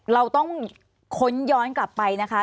เราต้องค้นย้อนกลับไปนะคะ